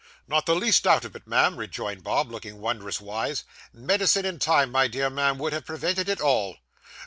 'Not the least doubt of it, ma'am,' rejoined Bob, looking wondrous wise. 'Medicine, in time, my dear ma'am, would have prevented it all.